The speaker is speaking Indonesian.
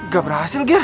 gak berhasil gir